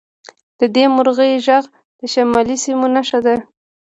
د دې مرغۍ غږ د شمالي سیمو نښه ده